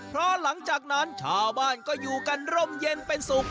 เพราะหลังจากนั้นชาวบ้านก็อยู่กันร่มเย็นเป็นสุข